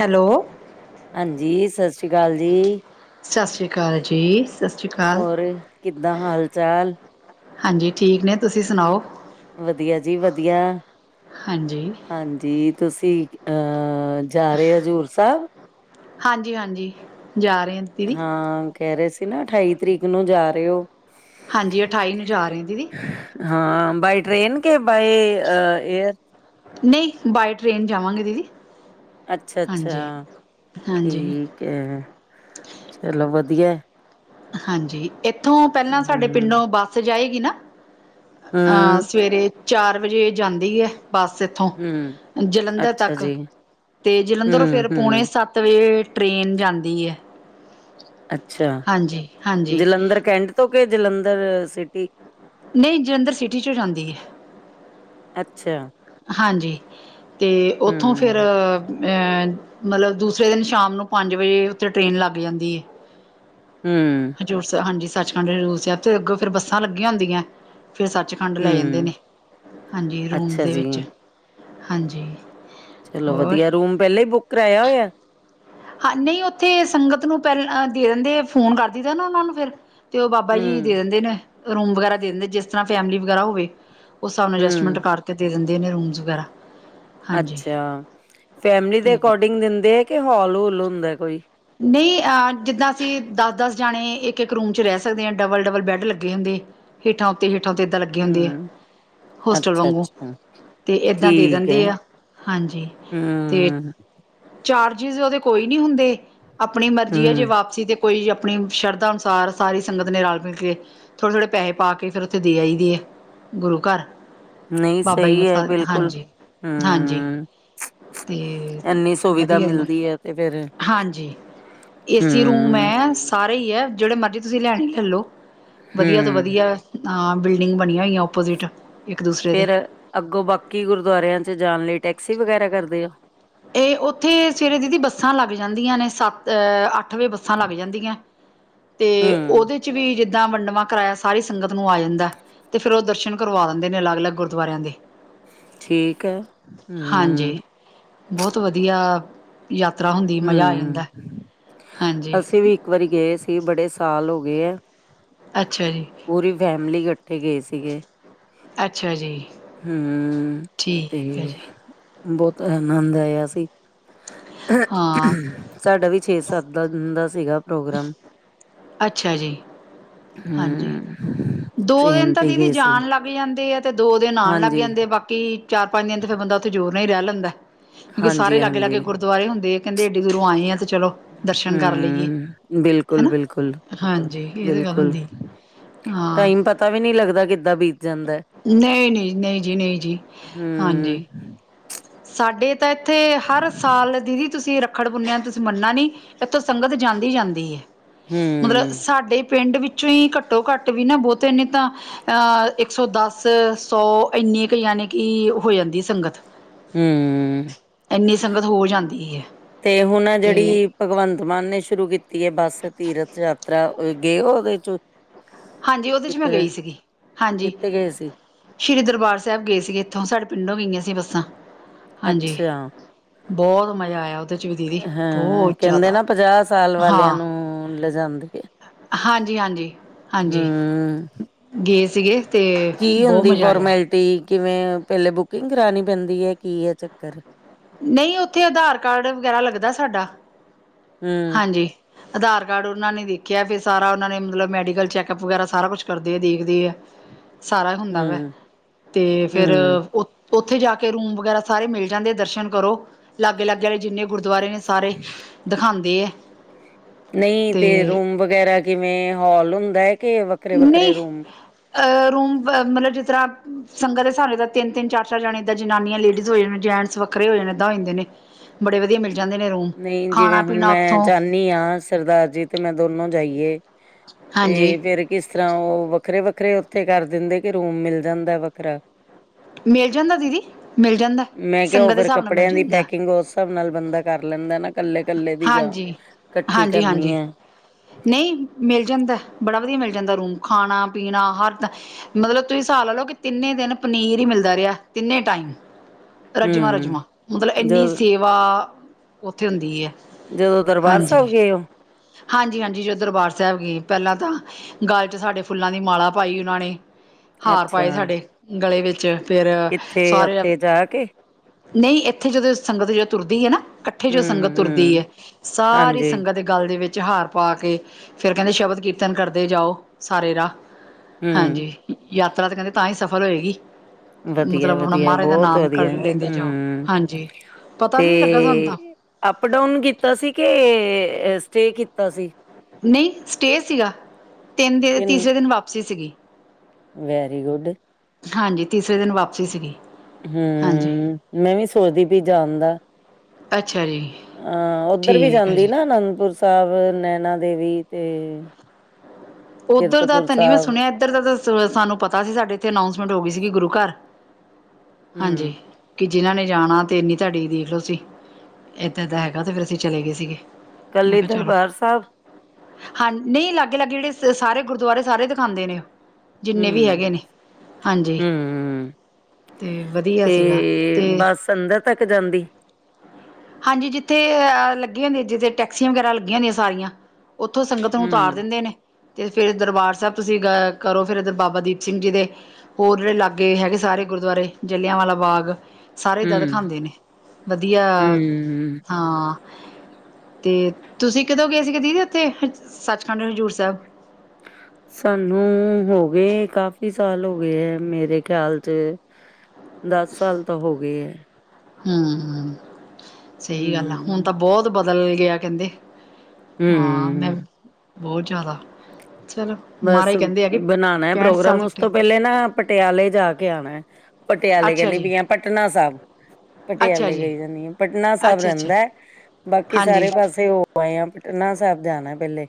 Hello. ਹਾਂਜੀ, ਸਤਿ ਸ਼੍ਰੀ ਅਕਾਲ ਜੀ। ਸਤਿ ਸ਼੍ਰੀ ਅਕਾਲ ਜੀ। ਸ਼੍ਰੀ ਅਕਾਲ ਹੋਰ ਕਿੱਦਾਂ ਹਾਲ ਚਾਲ? ਹਾਂਜੀ ਠੀਕ ਨੇ। ਤੁਸੀਂ ਸੁਣਾਓ? ਵਧੀਆ ਜੀ ਵਧੀਆ। ਹਾਂਜੀ। ਹਾਂਜੀ, ਤੁਸੀਂ ਅਹ ਜਾ ਰਹੇ ਹੋ ਹਜ਼ੂਰ ਸਾਹਿਬ। ਹਾਂਜੀ -ਹਾਂਜੀ ਜਾ ਰਹੇ ਆਂ। ਹਾਂ ਕਹਿ ਰਹੇ ਸੀ ਨਾ ਅਠਾਈ ਤਰੀਕ ਨੂੰ ਜਾ ਰਹੇ ਹੋ। ਹਾਂਜੀ ਅਠਾਈ ਨੂੰ ਜਾ ਰਹੇ ਦੀਦੀ। ਹਾਂ ਬਾਏ ਟ੍ਰੇਨ ਕੇ ਬਾਏ ਏਅਰ? ਨਹੀਂ ਬਾਏ ਟ੍ਰਰੇਨ ਜਾਵਾਂਗੇ ਦੀਦੀ। ਅੱਛਾ ਹਾਂਜੀ -ਅੱਛਾ ਹਾਂਜੀ ਠੀਕ ਹੈ ਚਲੋ ਵਧੀਆ। ਹਾਂਜੀ, ਇੱਥੋਂ ਪਹਿਲਾਂ ਸਾਡੇ ਹਮ ਪਿੰਡੋਂ ਬੱਸ ਜਾਏਗੀ ਨਾ। ਹਾਂ ਹਮ ਸਵੇਰੇ ਚਾਰ ਵਜੇ ਜਾਂਦੀ ਹੈ ਬੱਸ। ਥੋਂ ਹਮ ਜਲੰਧਰ ਅੱਛਾ ਤੱਕ ਜੀ। ਤੇ ਜਲੰਧਰ ਹਮ ਫੇਰ ਪੋਣੇ ਹਮ ਸੱਤ ਤਵੇ ਟ੍ਰੇਨ ਜਾਂਦੀ ਐ। [inaudible] ਅੱਛਾ, ਹਾਂਜੀ ਜਲੰਧਰ ਕੈਂਟ ਤੋਂ ਕਿ ਜਲੰਧਰ ਸਿਟੀ? ਨਹੀਂ, ਜਲੰਧਰ ਸਿਟੀ ਚੋਂ ਜਾਂਦੀ ਏ‌। ਅੱਛਾ। ਹਾਂਜੀ, ਤੇ ਓਥੋਂ ਫੇਰ ਹੂੰ, ਅਂ ਮਤਲਬ ਦੂਸਰੇ ਦਿਨ ਸ਼ਾਮ ਨੂੰ ਪੰਜ ਵਜੇ ਉੱਥੇ ਟ੍ਰੇਨ ਲੱਗ ਜਾਂਦੀ ਏ। ਹੂੰ। ਹਜ਼ੂਰ ਸਾ ਹਾਂਜੀ, ਸੱਚਖੰਡ ਹਜ਼ੂਰ ਸੈਬ ਤੇ ਅੱਗੋਂ ਫੇਰ ਬੱਸਾਂ ਲੱਗੀਆਂ ਹੁੰਦੀਐਂ, ਫੇਰ ਸੱਚ ਖੰਡ ਲੈ ਜਾਂਦੇ ਹੂੰ ਨੇ। ਹਾਂਜੀ, ਰੂਮਸ ਅੱਛਾ ਦੇ ਜੀ, ਵਿੱਚ ਹਾਂਜੀ। ਚਲੋ ਹੋਰ ਵਧੀਐ, ਰੂਮ ਪੈਲਾਂ ਈ ਬੁੱਕ ਕਰਾਇਆ ਹੋਇਐ? ਹਾਂ, ਨਹੀਂ ਓਥੇ ਸੰਗਤ ਨੂੰ ਪੈਲ ਦੇ ਦਿੰਦੇ ਐ ਫੋਨ ਕਰਦੀ ਦੈ ਨਾ ਓਹਨਾਂ ਨੂੰ ਫੇਰ। ਤੇ ਓਹ ਬਾਬਾ ਜੀ ਦੇ ਹੂੰ, ਦਿੰਦੇ ਨੇ, ਰੂਮ ਵਗੈਰਾ ਦੇ ਦਿੰਦੇ ਜਿਸ ਤਰ੍ਹਾਂ ਫੈਮਿਲੀ ਵਗੈਰਾ ਹੋਵੇ। ਉਸ ਸਾਬ ਨਾਲ ਅਡਜਸਟਮੈਂਟ ਹੂੰ ਕਰਕੇ ਦੇ ਦਿੰਦੇ ਨੇ ਰੂਮਜ਼ ਵਗੈਰਾ। ਹਾਂਜੀ ਅੱਛਾ, ਫੈਮਿਲੀ ਦੇ ਤੇ ਅਕੋਰਡਿੰਗ ਦਿੰਦੇ ਐ ਕਿ ਹੋਲ਼-ਹੂਲ ਹੁੰਦੈ ਕੋਈ? ਨਹੀਂ ਆ ਜਿੱਦਾਂ ਅਸੀਂ ਦਸ-ਦਸ ਜਾਣੇ ਇੱਕ-ਇੱਕ ਰੂਮ 'ਚ ਰੈਹ ਸਕਦੇ ਆਂ ਡਬਲ-ਡਬਲ ਬੈੱਡ ਲੱਗੇ ਹੁੰਦੇ। ਹੇਠਾਂ ਉਤੇ, ਹੇਠਾਂ ਉਤੇ ਐਦਾਂ ਲੱਗੇ ਹੁੰਦੇ ਐ। ਹੂੰ, ਹੋਸਟਲ ਅੱਛਾ, ਵਾਂਗੂ, ਅੱਛਾ ਤੇ ਏਦਾਂ ਦੇ ਠੀਕ ਹੈ। ਦਿੰਦੇ ਆ, ਹਾਂਜੀ‌। ਹੂੰ। ਚਾਰਜਿਸ ਓਹਦੇ ਕੋਈ ਨੀ ਹੁੰਦੇ, ਆਪਣੀ ਮਰਜੀ ਐ ਜੇ ਹੂੰ ਵਾਪਸੀ ਦੇ ਕੋਈ ਅਪਣੀ ਸ਼ਰਧਾ ਅਨੁਸਾਰ ਸਾਰੀ ਸੰਗਤ ਨੇ ਰਲ-ਮਿਲ ਕੇ ਥੋੜੇ-ਥੋੜੇ ਪੈਹੇ ਪਾ ਕੇ ਫਿਰ ਉੱਥੇ ਦੇ ਆਈ ਦੇ ਐ ਗੁਰੂ ਘਰ। ਨਹੀਂ ਬਾਬਾ ਜੀ ਸਹੀ ਨੂੰ ਹੈ ਫੜਾਂ, ਬਿਲਕੁਲ। ਹਾਂਜੀ ਹਾਂਜੀ। ਹੂੰ, ਤੇ ਇੰਨੀ ਸੁਵਿਧਾ ਵਧੀਐ ਨਾ। ਮਿਲਦੀ ਹੈ ਤੇ ਫੇਰ ਹਾਂਜੀ, ਏਸੀ ਰੂਮ ਹੂੰ, ਐ, ਸਾਰੇ ਈ ਐ ਜੇੜੇ ਮਰਜ਼ੀ ਤੁਸੀਂ ਲੈਣੇ ਲਲ ਲੋ। ਵਧੀਆ ਤੋਂ ਹੂੰ ਵਧੀਆ ਆ ਬਿਲਡਿੰਗ ਬਣੀਆਂ ਹੋਈਆਂ ਓਪੋਜਿਟ। ਇੱਕ ਦੂਸਰੇ ਦੇ ਫੇਰ ਅੱਗੋਂ ਬਾਕੀ ਗੁਰਦੁਆਰਿਆਂ ਚ ਜਾਣ ਲਈ ਟੈਕਸੀ ਵਗੈਰਾ ਕਰਦੇ ਓ? ਏਹ ਓਥੇ ਸਵੇਰੇ ਦੀਦੀ ਬੱਸਾਂ ਲੱਗ ਜਾਂਦੀਆਂ ਨੇ ਸੱਤ ਅਹ ਅੱ ਅੱਠ ਵੇ ਬੱਸਾਂ ਲੱਗ ਜਾਂਦੀਐਂ। ਤੇ ਹੂੰ, ਓਹਦੇ ਚ ਵੀ ਜਿੱਦਾਂ ਵੰਡਵਾਂ ਕਰਾਇਆ ਸਾਰੀ ਸੰਗਤ ਨੂੰ ਆ ਜਾਂਦੈ। ਤੇ ਫੇਰ ਓਹ ਦਰਸ਼ਨ ਕਰਵਾ ਦਿੰਦੇ ਨੇ ਅਲੱਗ-ਲੱਗ ਗੁਰਦੁਆਰਿਆਂ ਦੇ। ਠੀਕ ਐ, ਹੂੰ। ਬੌਤ ਵਧੀਆ ਯਾਤਰਾ ਹੁੰਦੀ ਏ, ਮਜ਼ਾ ਆ ਹੂੰ, ਜਾਂਦੈ। ਅਸੀਂ ਵੀ ਇੱਕ ਵਾਰੀ ਗਏ ਸੀ, ਬੜੇ ਸਾਲ ਹੋ ਗੇ ਐ। ਅੱਛਾ ਜੀ। ਪੂਰੀ ਫੈਮਿਲੀ ਇਕੱਠੇ ਗਏ ਸੀਗੇ। ਅੱਛਾ ਜੀ ਹੂੰ ਤੇ ਠੀਕ ਹੈ ਜੀ ਬੌਤ ਆਨੰਦ ਆਇਆ ਸੀ। ਹਾਂ। ਸਾਡਾ ਵੀ ਛੇ-ਸੱਤ ਦਾ ਦਿਨ ਦਾ ਸੀਗਾ ਪ੍ਰੋਗਰਾਮ। ਅੱਛਾ ਜੀ। ਹਾਂਜੀ ਹੂੰ, ਹੂੰ। ਦੋ ਦਿਨ ਤਾਂ ਦੀਦੀ ਜਾਣ ਲੱਗ ਜਾਂਦੇ ਐ ਤੇ ਦੋ ਦਿਨ ਆਣ ਲੱਗ ਹਾਂਜੀ, ਜਾਂਦੇ ਐ। ਬਾਕ ਕੀ ਚਾਰ-ਪੰਜ ਦਿਨ ਤੇ ਫਿਰ ਬੰਦਾ ਓਥੇ ਜ਼ੋਰ ਨਾ ਈ ਰੈਹ ਲੈਂਦੈ। ਕਿਉਂਕਿ ਸਾਰੇ ਹਾਂਜੀ, ਲਾਗੇ-ਲਾਗੇ ਹਾਂਜੀ। ਗੁਰਦੁਆਰੇ ਹੁੰਦੇ। ਕੈਹੰਦੇ ਐਡੀ ਦੂਰੋਂ ਆਂਏ ਐਂ ਤੇ ਚਲੋ। ਦਰਸ਼ਨ ਕਰ ਲਈਏ ਹੂਂ ਹਨਾ ਬਿਲਕੁਲ-ਬਿਲਕੁਲ, ਹਾਂਜੀ ਇਹ ਤਾਂ ਗੱਲ ਬਿਲਕੁਲ। ਹੁੰਦੀ ਹਾਂ ਟਾਈਮ ਪਤਾ ਵੀ ਨੀ ਲੱਗਦਾ ਕਿੱਦਾਂ ਬੀਤ ਜਾਂਦੈ। ਨਈ-ਨਈ-ਨਈ ਜੀ, ਨਈ ਜੀ ਹਾਂਜੀ। ਹੂੰ, ਸਾਡੇ ਤਾਂ ਇੱਥੇ ਹਰ ਸਾਲ ਦੀਦੀ ਤੁਸੀਂ ਰੱਖੜ ਪੁਨੇਆ ਤੁਸੀਂ ਮੱਨਾ ਨਈ ਇੱਥੋਂ ਸੰਗਤ ਜਾਂਦੀ-ਜਾਂਦੀ ਏ, ਮਤਲਬ ਹੂੰ, ਸਾਡੇ ਪਿੰਡ ਵਿੱਚ ਵਿੱਚੋਂ ਈ ਘੱਟੋ ਘੱਟ ਵੀ ਨਾ ਬਹੁਤੇ ਨੀ ਤਾਂ ਅਹ ਇੱਕ ਸੌ ਦਸ ਸੌ ਇੰਨੀ ਕੁ ਯਾਨੀ ਕਿ ਹੋ ਜਾਂਦੀ ਸੰਗਤ। ਹੂਂ। ਐਨੀ ਸੰਗਤ ਹੋ ਜਾਂਦੀ ਏ, ਹੁਣ ਆ ਤੇ ਜਿਹੜੀ ਭਗਵੰਤ ਮਾਨ ਨੇ ਸ਼ੁਰੂ ਕੀਤੀ ਏ ਬੱਸ ਤੀਰਥ ਯਾਤਰਾ, ਗਏ ਉਹਦੇ ਚ ਹਾਂਜੀ ਓਦੇ ਚ ਮੈਂ ਕਿਤੇ ਗਈ ਸੀਗੀ, ਹਾਂਜੀ। ਕਿਤੇ ਗਏ ਸੀ ਸ਼੍ਰੀ ਦਰਬਾਰ ਸਾਬ ਗਏ ਸੀਗੇ ਇੱਥੋਂ ਸਾਡੇ ਪਿੰਡੋਂ ਵੀ ਗਈਆਂ ਸੀ ਬੱਸਾਂ, ਹਾਂਜੀ। ਅੱਛਾ ਬਹੋਤ ਮਜਾ ਆਇਆ। ਉਹਦੇ ਚ ਵੀ ਦੀਦੀ ਹਾਂ ਬਹੁਤ ਕੈਹੰਦੇ ਨਾ ਜ਼ਿਆਦਾ ਪੰਜਾਹ ਸਾਲ ਵਾਲੇਆਂ ਨੂੰ ਲੈਜਾਂਦੇ। ਹਾਂਜੀ-ਹਾਂਜੀ, ਹਾਂਜੀ ਹਮ ਗਏ ਸੀਗੇ। ਤੇ ਬਹੋਤ ਮਜ਼ਾ ਆਇਆ। ਤੇ ਕਿਵੇਂ ਪੇਹਲੇ ਬੁਕਿੰਗ ਕਰਵਾਉਣੀ ਪੈਂਦੀ ਹੈ, ਕੀ ਹੈ ਚੱਕਰ ਨਹੀਂ ਉੱਥੇ ਆਧਾਰ ਕਾਰਡ ਵਗੈਰਾ ਲੱਗਦਾ ਸਾਡਾ, ਹਮ ਹਾਂਜੀ ਆਧਾਰ ਕਾਰਡ ਓਹਨਾਂ ਨੇ ਵੇਖੇਆ ਫੇਰ ਸਾਰਾ ਓਹਨਾਂ ਨੇ ਮਤਲਬ ਮੈਡੀਕਲ ਚੈੱਕਅੱਪ ਵਗੈਰਾ ਸਾਰਾ ਕੁਛ ਕਰਦੇ ਆ ਦੇਖਦੇ ਆ। ਸਾਰਾ ਹੁੰਦਾ ਵਾ, ਹਮ ਤੇ ਫੇਰ ਹਮ ਓ ਓੱਥੇ ਜਾ ਕੇ ਰੂਮ ਵਗੈਰਾ ਸਾਰੇ ਮਿਲ ਜਾਂਦੇ ਦਰਸ਼ਨ ਕਰੋ ਲਾਗੇ-ਲਾਗੇ ਆਲੇ ਜਿੰਨੇ ਗੁਰਦੁਆਰੇ ਨੇ ਸਾਰੇ, ਦਖਾਂਦੇ ਐ। ਨਂਈ ਤੇ ਰੂਮ ਵਗੈਰਾ ਕਿਵੇਂ ਹਾਲ ਹੁੰਦੈ ਕੇ ਨਂਈ ਹ ਰੂਮ ਮਤਲਬ ਜਿਸ ਤਰ੍ਹਾਂ ਸੰਗਤ ਸਾਰੇ ਤਾਂ ਤਿੰਨ-ਤਿੰਨ ਚਾਰ-ਚਾਰ ਜਣੇ ਤਾਂ ਜਨਾਨੀਆਂ ਲੇਡੀਜ਼ ਹੋਏ ਨੇ ਜੈਂਟਸ ਵ ਵੱਖਰੇ ਹੋ ਜਾ ਨੇ ਦ ਹੋ ਜਾਂਦੇ ਨੇ ਬੜੇ ਵਧੀਆ ਮਿਲ ਜਾਂਦੇ ਨੇ ਰੂਮ ਨਹੀਂ ਜਿਵੇਂ ਖਾਣਾ ਹੁਣ ਪੀਣਾ ਮੈਂ ਉੱਥੋਂ ਜਾੱਣੀ ਆਂ, ਸਰਦਾਰ ਜੀ ਤੇ ਮੈਂ ਦੋਨੋ ਜਾਈਏ ਤੇ ਹਾਂਜੀ ਫੇਰ ਕਿਸ ਤਂਰਾ ਓ ਵੱਖਰੇ-ਵੱਖਰੇ ਓੱਥੇ ਕਰ ਦਿੰਦੇ ਕੇ ਰੂਮ ਮਿਲ ਜਾਂਦੈ ਵੱਖਰਾ। ਮਿਲ ਜਾਂਦਾ ਦੀਦੀ ਮਿਲ ਜਾਂਦਾ ਮੈਂ ਕੇਆ ਓਹ ਸੰਗਤ ਦੇ ਫੇਰ ਹਿਸਾਬ ਨਾਲ ਮਿਲ ਕੱਪੜੇਆਂ ਦੀ ਜਾਂਦਾ ਪੈਕਿੰਗ ਉਸ ਸਾਬ ਨਾਲ ਬੰਦਾ ਕਰ ਲੈਂਦੈ ਨਾ ਕੱਲੇ-ਕੱਲੇ ਦੀ ਜਾਂ, ਹਾਂਜੀ ਕੱਠੀ ਕਰਨੀ ਐਂ। ਨਂਈ ਮਿਲ ਜਾਂਦੈ ਬੜਾ ਵਦੀਆ ਮਿਲ ਜਾਂਦਾ ਰੂਮ ਖਾਣਾ ਪੀਣਾ ਹਰ ਤਾਂ ਮਤਲਬ ਤੁਸੀਂ ਸਾਬ ਲਾ ਲਓ ਕਿ ਤਿੰਨੇ ਦਿਨ ਪਨੀਰ ਈ ਮਿਲਦਾ ਰੇਆ ਤਿੰਨੇ ਟਾਈਮ। ਹੂੰ ਰਜਵਾਂ-ਰਜਵਾਂ, ਮਤਲਬ ਏੱਨੀ ਜਦੋਂ ਸੇਵਾ ਓੱਥੇ ਹੁੰਦੀ ਐ। ਜਦੋਂ ਦਰਬਾਰ ਸਾਬ ਗਏ ਓ। ਹਾਂਜੀ-ਹਾਂਜੀ ਜਦੋਂ ਦਰਬਾਰ ਸਾਬ ਗਏ ਪੈਹਲਾਂ ਤਾਂ ਗੱਲ ਚ ਸਾਡੇ ਫੁੱਲਾਂ ਦੀ ਮਾਲਾ ਪਾਈ ਉਹਨਾਂ ਨੇ, ਹਾਰ ਅੱਛਾ ਪਾਏ ਸਾਡੇ ਗਲੇ ਵਿੱਚ। ਫੇਰ ਕਿੱਥੇ ਸਾਰੇ, ਉੱਥੇ ਜਾ ਕੇ ਨਈ ਇੱਥੇ ਜਦੋਂ ਸੰਗਤ ਜਦੋਂ ਤੁਰਦੀ ਐ ਨਾ ਇੱਥੇ ਜੋ ਸੰਗਤ ਤੁਰਦੀ ਹੂੰ-ਹੂੰ ਐ, ਸਾਰੀ ਹਾਂਜੀ ਸੰਗਤ ਗੱਲ ਦੇ ਵਿੱਚ ਹਾਰ ਪਾ ਕੇ, ਫੇਰ ਕੈਹੰਦੇ ਸ਼ਬਦ ਕੀਰਤਨ ਕਰਦੇ ਜਾਓ ਸਾਰੇ ਰਾਹ ਹੂੰ ਹਾਂਜੀ, ਯਾਤਰਾ ਤੇ ਕੈਹੰਦੇ ਤਾਂ ਈ ਸਫਲ ਹੋਏਗੀ। ਮਤਲਬ ਆਪਣਾ ਵਧੀਆ-ਵਧੀਆ ਮਹਾਰਾਜ ਦਾ ਬਹੁਤ ਨਾਮ ਕਰ ਵਧੀਆ ਲੈਂਦੇ ਜਾਓ। ਹੂੰ ਹਾਂਜੀ ਪਤਾ ਤੇ ਵੀ ਨੀ ਲੱਗਾ ਤੁਹਾਨੂੰ ਤਾਂ ਅਪ ਡਾਊਨ ਕੀਤਾ ਸੀ ਕਿ ਸਟੇ ਕੀਤਾ ਸੀ ਨਹੀਂ ਸਟੇ ਸੀਗਾ, ਤਿੰਨ ਦਿਨ ਕਿਨ ਤੀਸਰੇ ਦਿਨ ਵਾਪਸੀ ਸੀਗੀ ਵੈਰੀ ਗੁਡ ਹਾਂਜੀ ਤੀਸਰੇ ਦਿਨ ਵਾਪਸੀ ਸੀਗੀ ਹਾਂਜੀ ਹੂੰ, ਮੈਂਵੀ ਸੋਚਦੀ ਪਈ ਜਾਣ ਦਾ ਅੱਛਾ ਜੀ ਹਾਂ ਉੱਧਰ ਵੀ ਠੀਕ ਹੈ ਜਾਂਦੀ ਜੀ ਨਾ ਅਨੰਦਪੁਰ ਸਾਹਿਬ, ਨੈਨਾ ਦੇਵੀ ਤੇ ਉਧਰ ਦਾ ਕੀਰਤਪੁਰ ਤਾਂ ਨਹੀਂ ਮੈਂ ਸਾਹਿਬ ਸੁਣਿਆ ਇੱਧਰ ਦਾ ਸਾਨੂੰ ਪਤਾ ਸੀ ਸਾਡੇ ਇੱਥੇ ਅਨਾਊਸਮੈਂਟ ਹੋ ਗਈ ਸੀਗੀ ਗੁਰੂ ਘਰ, ਹੂੰ, ਹਾਂਜੀ ਜਿਹਨਾਂ ਨੇ ਜਾਣਾ ਤੇ ਇੰਨੀ ਤੁਹਾਡੀ ਦੇਖ ਲਓ ਤੁਸੀਂ ਇਦਾਂ ਦਾ ਹੈਗਾ ਤਾਂ ਫਿਰ ਅਸੀਂ ਚਲੇ ਗਏ ਸੀਗੇ ਮੈਂ ਕੱਲੀ ਕਿਹਾ ਚਲੋ, ਦਰਬਾਰ ਸਾਹਿਬ ਹਾਂ ਨਹੀ ਲਾਗੇ-ਲਾਗੇ ਜਿਹੜੇ ਸਾਰੇ ਗੁਰੂਦੁਆਰੇ ਸਾਰੇ ਦਿਖਾਉਦੇ ਨੇ ਜਿੰਨੇ ਵੀ ਹੂੰ, ਹੈਗੇ ਨੇ ਹਾਂਜੀ ਹੂੰ ਤੇ ਵਧੀਆ ਤੇ ਸੀਗਾ, ਤੇ ਬੱਸ ਅੰਦਰ ਤੱਕ ਜਾਂਦੀ ਹਾਂਜੀ ਜਿੱਥੇ ਅਹ ਲੱਗੀਆਂ ਹੁੰਦੀਆਂ ਜਿੱਥੇ ਟੈਕਸੀਆ ਵਗੈਰਾ ਲੱਗੀਆ ਹੁੰਦੀਆ ਸਾਰੀਆ ਉਥੋਂ ਸੰਗਤ ਨੂੰ ਉਤਾਰ ਹੂੰ, ਦਿੰਦੇ ਨੇ ਫਿਰ ਦਰਬਾਰ ਸਾਹਿਬ ਤੁਸੀਂ ਕਰੋ ਫਿਰ ਇੱਧਰ ਬਾਬਾ ਦੀਪ ਸਿੰਘ ਜੀ ਦੇ ਹੋਰ ਜਿਹੜੇ ਲਾਗੇ ਹੈਗੇ ਸਾਰੇ ਗੁਰੂਦੁਆਰੇ ਜਲ੍ਹਿਆ ਵਾਲਾ ਬਾਗ ਸਾਰੇ ਜਦੋਂ ਹੂੰ, ਦਿਖਾਦੇ ਨੇ ਵਧੀਆ ਹੂੰ ਹਾਂ ਤੇ, ਤੁਸੀਂ ਕਦੋਂ ਗਏ ਸੀਗੇ ਦੀਦੀ ਉੱਥੇ ਸੱਚਖੰਡ, ਹਜ਼ੂਰ ਸਾਹਿਬ ਸਾਨੂੰ ਹੋ ਗਏ ਕਾਫੀ ਸਾਲ ਹੋ ਗਏ ਮੇਰੇ ਖਿਆਲ ਚ ਦਸ ਸਾਲ ਤਾਂ ਹੋਗੇ ਐ ਹੂੰ -ਹੂੰ, ਸਹੀ ਗੱਲ ਆ, ਹੁਣ ਹੂੰ, ਤਾਂ ਬਹੁਤ ਬਦਲ ਗਿਆ ਕਹਿੰਦੇ ਹਾਂ ਹੂੰ ਮੈਂ, ਬਹੁਤ ਜ਼ਿਆਦਾ ਚਲੋ ਬਸ ਮਹਾਰਾਜ ਕਹਿੰਦੇ ਆ ਕਿ ਬਣਾਉਣਾ ਹੈ ਪੈਂਹਠ ਪ੍ਰੋਗਰਾਮ ਸਾਲ ਉਸ ਤੱਕ ਤੋਂ ਪਹਿਲੇ ਨਾ ਪਟਿਆਲੇ ਜਾ ਕੇ ਆਣਾ ਹੈ ਪਟਿਆਲੇ ਅੱਛਾ ਕਹਿੰਦੀ ਜੀ ਪਈ ਆਂ ਪਟਨਾ ਸਾਹਿਬ ਅੱਛਾ ਪਟਿਆਲੇ ਜੀ, ਕਈ ਜਾਂਦੀ ਆ ਪਟਨਾ ਸਾਹਿਬ ਅੱਛਾ ਅੱਛਾ ਰਹਿੰਦਾ ਬਾਕੀ ਹਾਂਜੀ, ਸਾਰੇ ਪਾਸੇ ਉਹ ਮੈ ਆਪ ਪਟਨਾ ਸਾਹਿਬ ਜਾਣਾ ਪਹਿਲੇ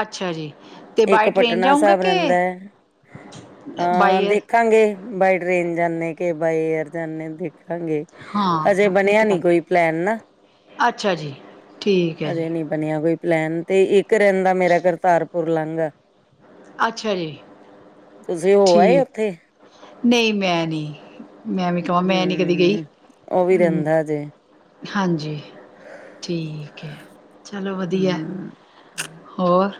ਅੱਛਾ ਜੀ ਤੇ ਇਕ ਬਾਏ ਟ੍ਰੇਨ ਪਟਨਾ ਜਾਊਂਗਾ ਸਾਹਿਬ ਕਿ ਰਹਿੰਦਾ, ਅਹ ਬਾਏ ਦੇਖ ਏਅਰ? ਦੇਖਾਗੇ ਬਾਏ ਟ੍ਰੇਨ ਜਾਂਦੇ ਕਿ ਬਾਏ ਏਅਰ ਜਾਂਦੇ ਦੇਖਾਗੇ, ਹਜੇ ਹਾਂ ਇਹ ਬਣਿਆ ਤਾਂ ਨੀ ਗੱਲ ਕੋਈ ਪਲੈਨ ਨਾ ਅੱਛਾ ਜੀ, ਠੀਕ ਏ ਹਜੇ ਨਹੀਂ ਕੋਈ ਪਲੈਨ ਤੇ ਇੱਕ ਰਹਿੰਦਾ ਮੇਰਾ ਕਰਤਾਰਪੁਰ ਲਾਂਘਾ ਅੱਛਾ ਜੀ ਤੁਸੀਂ ਹੋ ਆਏ ਠੀਕ। ਉੱਥੇ ਨਹੀਂ ਮੈਂ ਨੀ, ਮੈਂ ਏਵੀ ਕਵਾਂ ਮੈਂ ਨੀ ਕਦੀ ਗਈ, ਹੂੰ ਉਹ ਵੀ ਹੂੰ ਰਹਿੰਦਾ ਹਜੇ ਹਾਂਜੀ, ਠੀਕ ਹੈ, ਚਲੋ ਵਧੀਆ ਹੋਰ